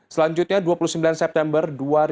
selanjutnya dua puluh sembilan september dua ribu sebelas